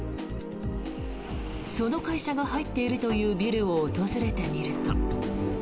その会社が入っているというビルを訪れてみると。